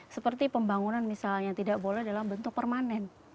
seperti pembangunan misalnya tidak boleh dalam bentuk permanen